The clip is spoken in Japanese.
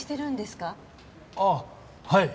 ああはい。